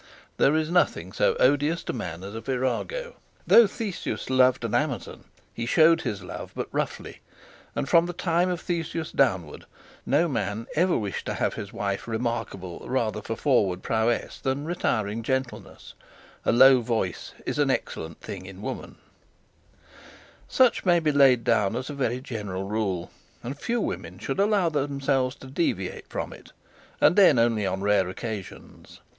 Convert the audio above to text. There is nothing so odious to man as a virago. Though Theseus loved an Amazon, he showed his love but roughly; and from the time of Theseus downward, no man ever wished to have his wife remarkable rather for forward prowess than retiring gentleness. Such may be laid down as a general rule; and few women should allow themselves to deviate from it, and then only on rare occasions.